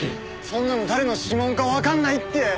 そんなの誰の指紋かわかんないって！